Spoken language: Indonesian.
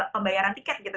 pembayaran tiket gitu